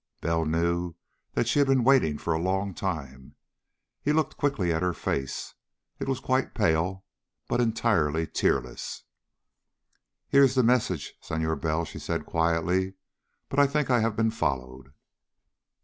Bell knew that she had been waiting for a long time. He looked quickly at her face. It was quite pale, but entirely tearless. "Here is the message, Senhor Bell," she said quietly, "but I think I have been followed."